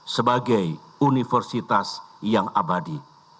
sebagai universitas yang abadi